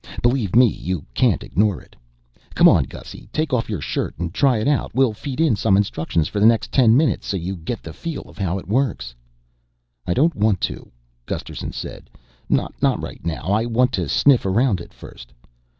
Believe me, you can't ignore it. Come on, Gussy, take off your shirt and try it out. We'll feed in some instructions for the next ten minutes so you get the feel of how it works." "I don't want to," Gusterson said. "Not right now. I want to sniff around it first.